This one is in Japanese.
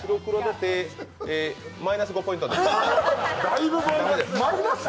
マイナス５ポイントです。